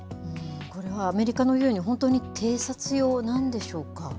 これはアメリカの言うように、本当に偵察用なんでしょうか。